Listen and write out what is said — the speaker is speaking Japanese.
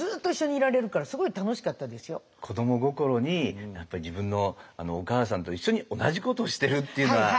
子ども心に自分のお母さんと一緒に同じことをしてるっていうのは。